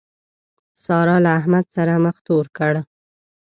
سارا له احمد سره مخ تور کړ.